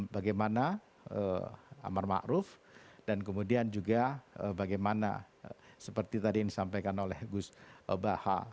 bagaimana amal ma'ruf dan kemudian juga bagaimana seperti tadi yang disampaikan oleh gus baha